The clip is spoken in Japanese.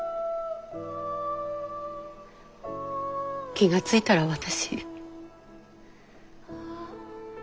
気が付いたら私。